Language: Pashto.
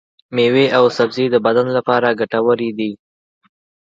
ميوې او سبزي د بدن لپاره ګټورې دي.